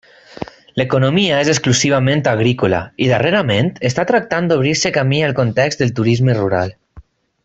L'economia és exclusivament agrícola i darrerament està tractant d'obrir-se camí al context del turisme rural.